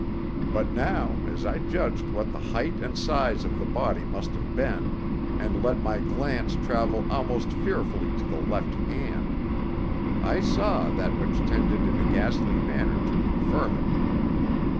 But now, as I judged what the height and size of the body must have been, and let my glance travel almost fearfully to the left hand, I saw that which tended in a ghastly manner to confirm it.